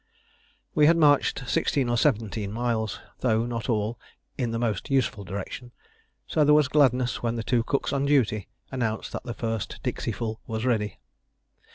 We had marched sixteen or seventeen miles, though not all in the most useful direction, so there was gladness when the two cooks on duty announced that the first dixieful was ready.